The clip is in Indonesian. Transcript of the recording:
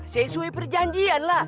sesuai perjanjian lah